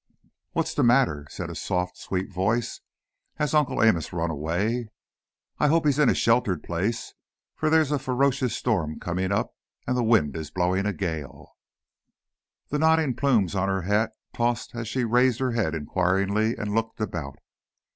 "What's the matter?" said a soft, sweet voice. "Has Uncle Amos run away? I hope he is in a sheltered place for there's a ferocious storm coming up and the wind is blowing a gale." The nodding plumes on her hat tossed as she raised her head inquiringly and looked about.